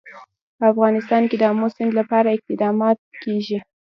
په افغانستان کې د آمو سیند لپاره اقدامات کېږي.